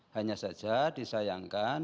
hanya saja disayangkan